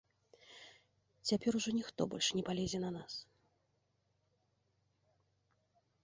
Цяпер ужо ніхто больш не палезе на нас.